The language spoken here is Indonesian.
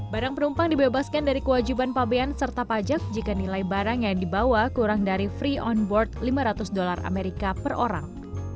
barang penumpang dibebaskan dari kewajiban pabean serta pajak jika nilai barang yang dibawa kurang dari free on board lima ratus dolar amerika per orang